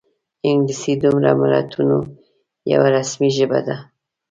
انګلیسي د ملګرو ملتونو یوه رسمي ژبه ده